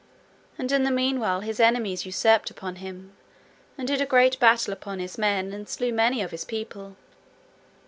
And in the meanwhile his enemies usurped upon him, and did a great battle upon his men, and slew many of his people.